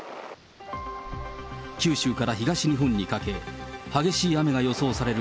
九州から東日本にかけ、激しい雨が予想される